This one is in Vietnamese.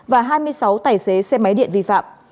và hai mươi sáu tài xế xe máy điện vi phạm